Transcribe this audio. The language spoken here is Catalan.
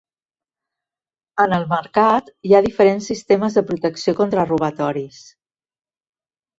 En el mercat hi ha diferents sistemes de protecció contra robatoris.